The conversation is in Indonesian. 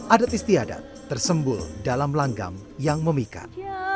adat istiadat tersembul dalam langgam yang memikat